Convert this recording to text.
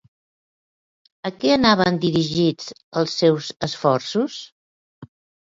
A què anaven dirigits els seus esforços?